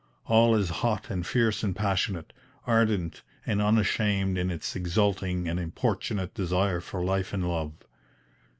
All is hot and fierce and passionate, ardent and unashamed in its exulting and importunate desire for life and love.